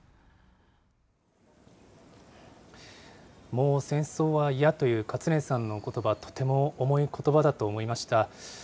もう戦争は嫌という勝連さんのことば、とても重いことばだと思いました。